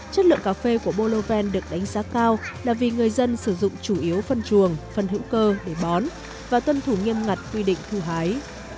chất lượng cà phê của boloven được đánh giá cao là vì người dân sử dụng chủ yếu phân chuồng phân hữu cơ để bón và tuân thủ nghiêm ngặt quy định thu hái